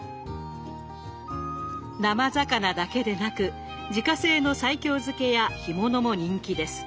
生魚だけでなく自家製の西京漬けや干物も人気です。